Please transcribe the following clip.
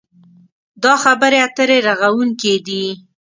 دا خبرې اترې رغوونکې دي.